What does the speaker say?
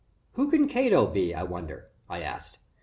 "Who can Cato be, I wonder?" I asked.